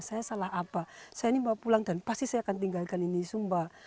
saya salah apa saya ini mau pulang dan pasti saya akan tinggalkan ini sumba